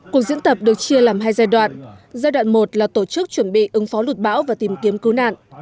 cuộc diễn tập được chia làm hai giai đoạn giai đoạn một là tổ chức chuẩn bị ứng phó lụt bão và tìm kiếm cứu nạn